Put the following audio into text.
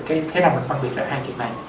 cái thế nào mình phân biệt là hai chuyện này